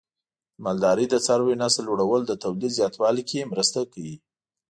د مالدارۍ د څارویو نسل لوړول د تولید زیاتوالي کې مرسته کوي.